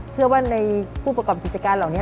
เชื่อว่าในผู้ประกอบกิจการเหล่านี้